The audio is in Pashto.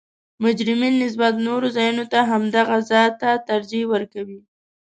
مجرمین نسبت نورو ځایونو ته همدغه ځا ته ترجیح ورکوي